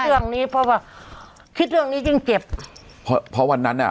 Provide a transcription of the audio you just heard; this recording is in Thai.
เรื่องนี้เพราะว่าคิดเรื่องนี้ยิ่งเจ็บเพราะวันนั้นอ่ะ